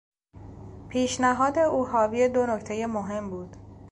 پیشنهاد او حاوی دو نکتهی مهم بود.